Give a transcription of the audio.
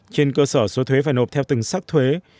trên cơ sở số thuế phải nộp theo từng sắc thuế